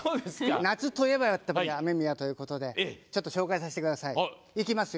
夏といえばＡＭＥＭＩＹＡということでちょっと紹介させてください。